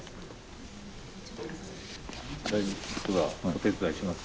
お手伝いします。